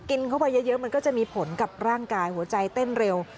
กินเข้าไปเยอะมันก็จะมีผลกับร่างกายหัวใจเต้นเร็ว